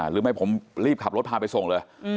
หรือไม่ผมรีบขับรถพาไปส่งเลย